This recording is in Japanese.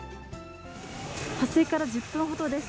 発生から１０分ほどです。